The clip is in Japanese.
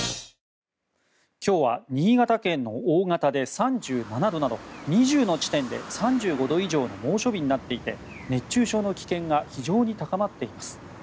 今日は新潟県の大潟で３７度など、２０の地点で３５度以上の猛暑日になっていて熱中症の危険が非常に高まっています。